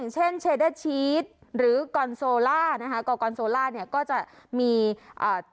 เช่นเชเดอร์ชีสหรือกอนโซล่านะคะกอกรโซล่าเนี่ยก็จะมีอ่า